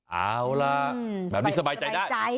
เอาล่ะแบบนี้สบายใจได้